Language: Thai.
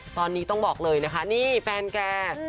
ตอนนี้ต้องบอกเลยนะคะนี่แฟนแก